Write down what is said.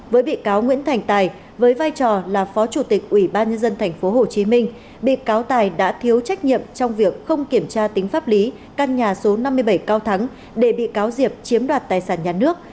với bị cáo nguyễn thành tài với vai trò là phó chủ tịch ủy ban nhân dân tp hcm bị cáo tài đã thiếu trách nhiệm trong việc không kiểm tra tính pháp lý căn nhà số năm mươi bảy cao thắng để bị cáo diệp chiếm đoạt tài sản nhà nước